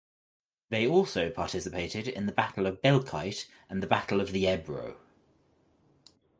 They also participated in the Battle of Belchite and the Battle of the Ebro.